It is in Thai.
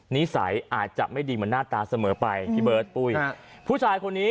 นิสัยอาจจะไม่ดีเหมือนหน้าตาเสมอไปพี่เบิร์ตปุ้ยฮะผู้ชายคนนี้